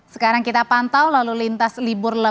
sekarang kita pantau lalu lintas libur lebaran